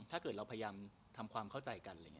ถ้าเกิดเราพยายามทำความเข้าใจกัน